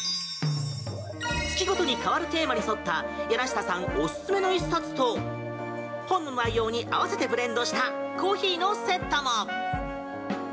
月ごとに変わるテーマに沿った柳下さんおすすめの一冊と本の内容に合わせてブレンドしたコーヒーのセットも！